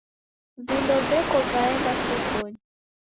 Vindo veko vaenga sokonyi.